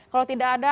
kalau tidak ada